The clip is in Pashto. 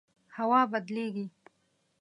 هوا بدلیږي